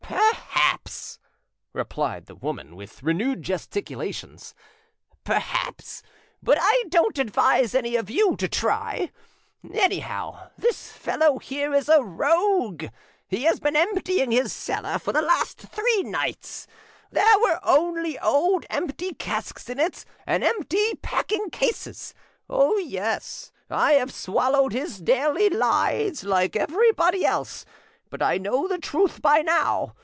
"Perhaps," replied the woman, with renewed gesticulations, "perhaps; but I don't advise any of you to try. Anyhow, this fellow here is a rogue; he has been emptying his cellar for the last three nights; there were only old empty casks in it and empty packing cases! Oh yes! I have swallowed his daily lies like everybody else, but I know the truth by now.